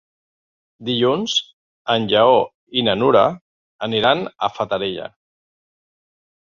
Dilluns en Lleó i na Nura aniran a la Fatarella.